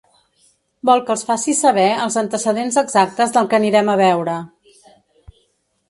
Vol que els faci saber els antecedents exactes del que anirem a veure.